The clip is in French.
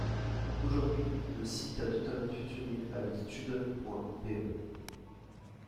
Aujourd'hui, le site a totalement fusionné avec Student.be.